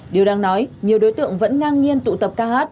điều đáng nói nhiều đối tượng vẫn ngang nghiên tụ tập ca hát